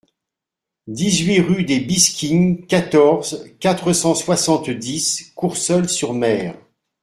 dix-huit rue des Bisquines, quatorze, quatre cent soixante-dix, Courseulles-sur-Mer